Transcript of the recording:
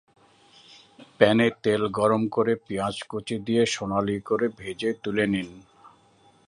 প্যানে তেল গরম করে পেঁয়াজ কুচি দিয়ে সোনালি করে ভেজে তুলে নিন।